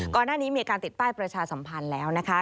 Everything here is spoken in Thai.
ก่อนหน้านี้มีการติดป้ายประชาสัมพันธ์แล้วนะคะ